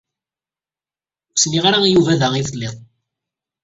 Ur s-nniɣ ara i Yuba da i telliḍ.